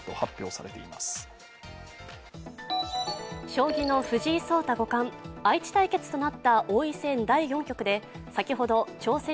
将棋の藤井聡太五冠、愛知対決となった王位戦